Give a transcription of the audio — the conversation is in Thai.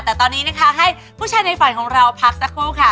แต่ตอนนี้นะคะให้ผู้ชายในฝันของเราพักสักครู่ค่ะ